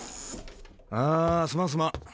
ああすまんすまん。